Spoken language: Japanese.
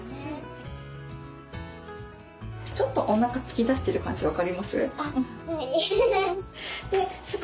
ちょっとおなか突き出してる感じ分かります？